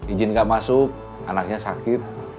ijin gak masuk anaknya sakit